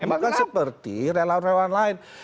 bahkan seperti relawan relawan lain